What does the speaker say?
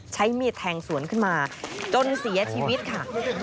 ใช้มีดแทงสวนขึ้นมาจนเสียชีวิตค่ะ